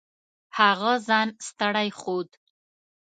هغه ځان ستړی ښود.